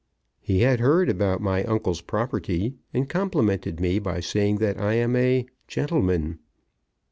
He had heard about my uncle's property, and complimented me by saying that I am a, gentleman."